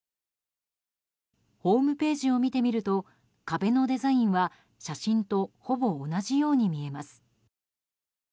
ホームページを見てみると壁のデザインは写真とほぼ同じように見えます。